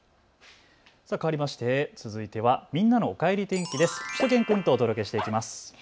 かわりまして続いてはみんなのおかえり天気です。